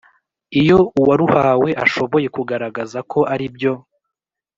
iyo uwaruhawe ashoboye kugaragaza ko aribyo